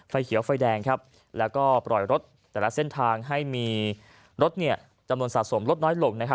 ไฟเขียวไฟแดงแล้วก็ปล่อยรถแต่ละเส้นทางให้มีรถจำนวนสะสมลดน้อยลง